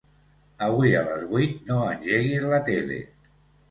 Avui a les vuit no engeguis la tele.